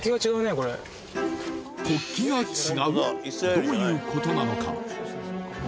どういうことなのか？